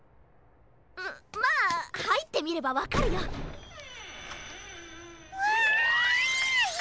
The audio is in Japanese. ままあはいってみればわかるよ。わい！